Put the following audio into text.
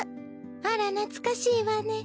あらなつかしいわね。